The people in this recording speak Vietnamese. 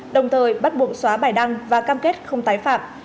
đồng thời bắt buộc xóa bài đăng và cam kết không tái phạm